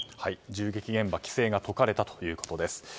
銃撃現場規制が解かれたということです。